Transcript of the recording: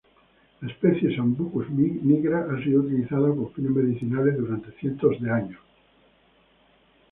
La especie "Sambucus nigra" ha sido utilizada con fines medicinales durante cientos de años.